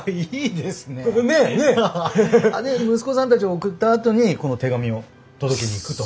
で息子さんたちを送ったあとにこの手紙を届けに行くと。